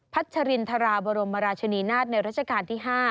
ัชรินทราบรมราชนีนาฏในราชการที่๕